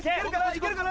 いけるかな？